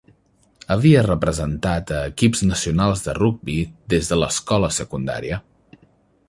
Havia representat a equips nacionals de rugbi des de l'escola secundària.